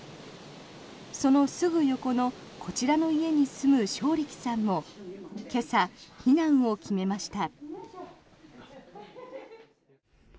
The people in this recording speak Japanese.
そのすぐ横のこちらの家に住む勝力さんも今朝、避難を決めました。